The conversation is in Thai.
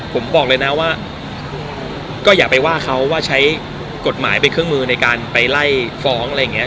ผมบอกเลยนะว่าก็อย่าไปว่าเขาว่าใช้กฎหมายเป็นเครื่องมือในการไปไล่ฟ้องอะไรอย่างนี้